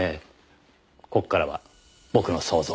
ここからは僕の想像です。